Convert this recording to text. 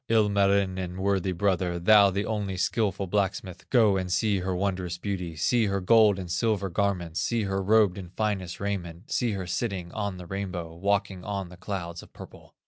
"Ilmarinen, worthy brother, Thou the only skilful blacksmith, Go and see her wondrous beauty, See her gold and silver garments, See her robed in finest raiment, See her sitting on the rainbow, Walking on the clouds of purple.